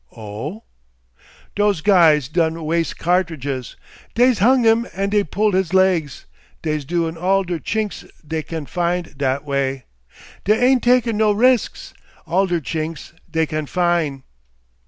"Oh!" "Dose guys done wase cartridges. Deyse hung him and dey pulled his legs. Deyse doin' all der Chinks dey can fine dat weh! Dey ain't takin' no risks. All der Chinks dey can fine."